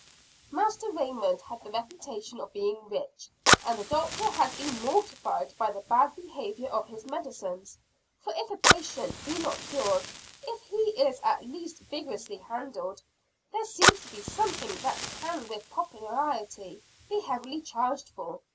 Master Raymond had the reputation of being rich, and the Doctor had been mortified by the bad behavior of his medicines for if a patient be not cured, if he is at least vigorously handled, there seems to be something that can with propriety be heavily charged for.